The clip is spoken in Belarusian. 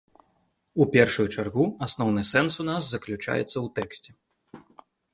У першую чаргу асноўны сэнс у нас заключаецца ў тэксце.